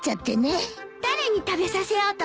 誰に食べさせようと思ったの？